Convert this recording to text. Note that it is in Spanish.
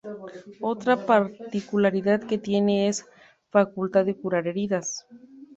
Otra particularidad que tiene es la facultad de curar heridas.